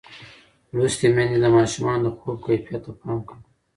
لوستې میندې د ماشومانو د خوب کیفیت ته پام کوي.